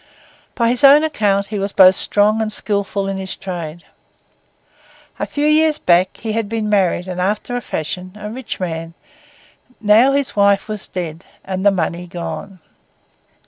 By his own account he was both strong and skilful in his trade. A few years back, he had been married and after a fashion a rich man; now the wife was dead and the money gone.